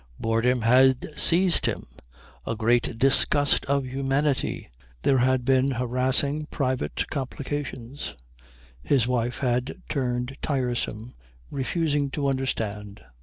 Boredom had seized him; a great disgust of humanity. There had been harassing private complications; his wife had turned tiresome, refusing to understand.